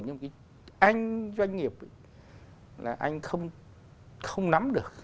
thì anh doanh nghiệp là anh không nắm được